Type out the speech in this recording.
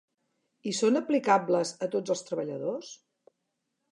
I són aplicables a tots els treballadors?